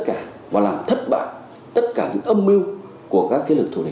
cảm ơn các bạn đã theo dõi